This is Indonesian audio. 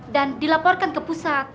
dan dilaporkan ke pusat